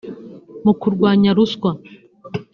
mu kurwanya ruswa